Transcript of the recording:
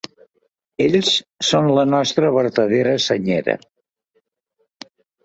Ells són la nostra vertadera senyera.